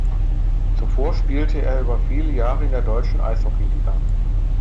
Zuvor spielte er über viele Jahre in der Deutschen Eishockey Liga.